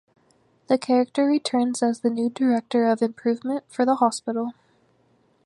The character returns as the new Director of Improvement for the hospital.